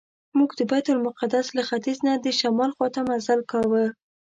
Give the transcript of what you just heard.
موږ د بیت المقدس له ختیځ نه د شمال خواته مزل کاوه.